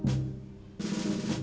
dia udah berangkat